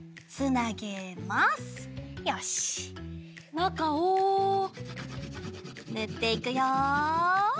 なかをぬっていくよ。